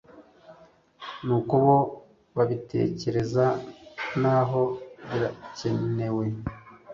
nuko bo babitekereza naho birakenewe